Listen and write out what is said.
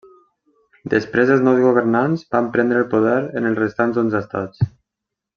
Després els nous governants van prendre el poder en els restants onze Estats.